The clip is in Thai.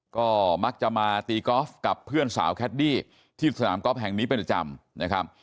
ก็มักจะมาตีกอล์ฟกับเพื่อนสาวแคดดี้ที่สนามกอล์ฟแห่งนี้เป็นประจำนะครับ